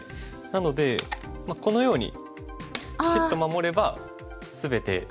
なのでこのようにピシッと守れば全て。